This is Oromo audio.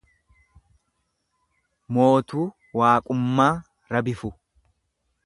Mootuu Waaqummaa Rabifu